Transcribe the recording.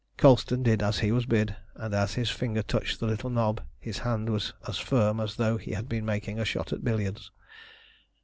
Colston did as he was bid, and as his finger touched the little knob his hand was as firm as though he had been making a shot at billiards.